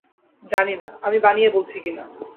জানি না আমি বানিয়ে বলছি কি না।